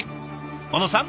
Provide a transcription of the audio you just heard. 小野さん